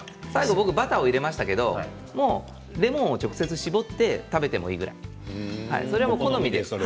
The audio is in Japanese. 最後バター入れましたがでも直接、搾って食べてもいいぐらいそれは好みで。